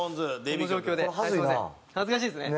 恥ずかしいですね。